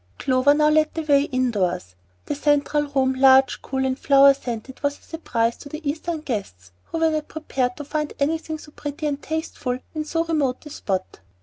Clover now led the way in doors. The central room, large, cool, and flower scented, was a surprise to the Eastern guests, who were not prepared to find anything so pretty and tasteful in so remote a spot.